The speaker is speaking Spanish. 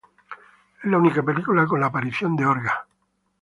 Es la única película con la aparición de Orga.